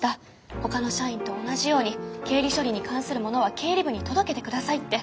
ほかの社員と同じように経理処理に関するものは経理部に届けて下さいって。